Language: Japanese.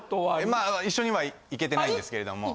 まあ一緒には行けてないんですけれども。